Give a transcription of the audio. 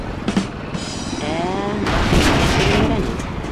Ә-ә, - Барсынбикә көлөмһөрәне.